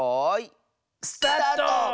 スタート！